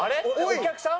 お客さん？